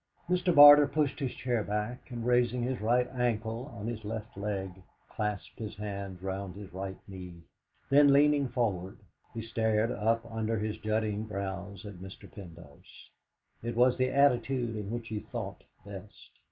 Mr. Barter pushed his chair back, and raising his right ankle on to his left leg, clasped his hands round his right knee; then, leaning forward, he stared up under his jutting brows at Mr. Pendyce. It was the attitude in which he thought best.